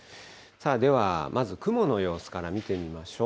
ではまず雲の様子から見てみまし